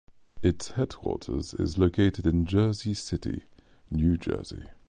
Its headquarters is located in Jersey City, New Jersey.